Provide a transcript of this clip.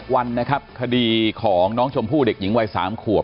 วันนะครับคดีของน้องชมพู่เด็กหญิงวัย๓ขวบ